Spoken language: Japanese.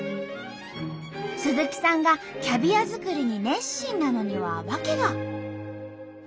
鈴木さんがキャビア作りに熱心なのにはワケが。